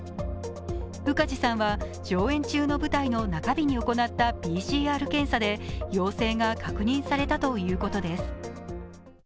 宇梶さんは上演中の舞台の中日に行ったＰＣＲ検査で陽性が確認されたということです。